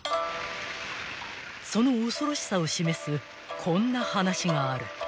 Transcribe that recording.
［その恐ろしさを示すこんな話がある］